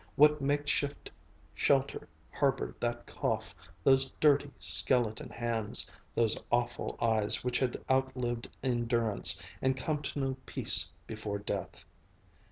What makeshift shelter harbored that cough, those dirty, skeleton hands, those awful eyes which had outlived endurance and come to know peace before death....